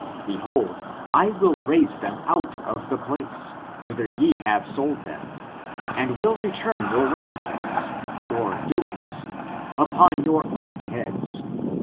Behold, I will raise them out of the place, whither ye have sold them, and will return your rec ompense [or doings] upon your own heads.